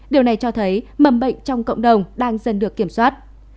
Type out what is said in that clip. điều này cho thấy mầm bệnh trong cộng đồng đang dần được kiểm soát